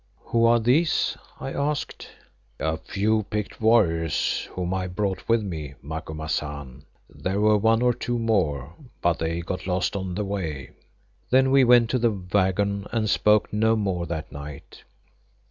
"Who are these?" I asked. "A few picked warriors whom I brought with me, Macumazahn. There were one or two more, but they got lost on the way." Then we went to the waggon and spoke no more that night.